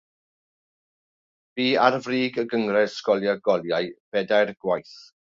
Bu ar frig y gynghrair sgorio goliau bedair gwaith.